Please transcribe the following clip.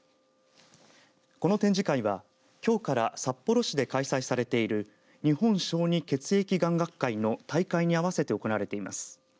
この展示会は、きょうから札幌市で開催されている日本小児血液・がん学会の大会に合わせて行われています。